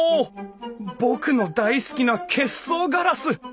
僕の大好きな結霜ガラス！